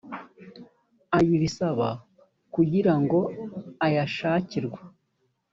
ayibisaba kugira ngo ayashakirwa